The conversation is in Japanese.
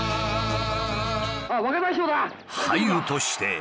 俳優として。